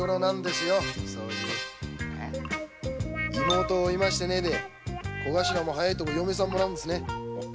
妹を追い回してねぇで小頭も嫁さんもらうんですね。